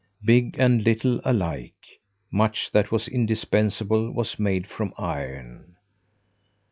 Big and little alike much that was indispensable was made from iron.